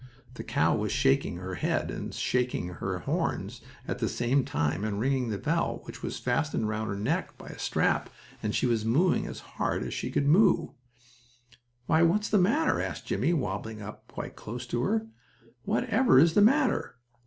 The cow was shaking her head and shaking her horns at the same time, and ringing the bell, which was fastened around her neck by a strap, and she was mooing as hard as she could moo. "Why, what's the matter?" asked Jimmie, wobbling up quite close to her. "What ever is the matter?"